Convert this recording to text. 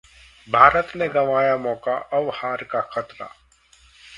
भारत ने गंवाया मौका, अब हार का खतरा